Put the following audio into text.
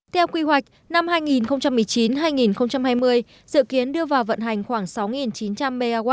theo quy hoạch năm hai nghìn một mươi chín hai nghìn hai mươi dự kiến đưa vào vận hành khoảng sáu chín trăm linh mw